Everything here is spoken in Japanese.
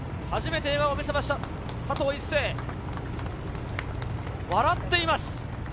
初めて笑顔を見せました、佐藤一世、笑っています。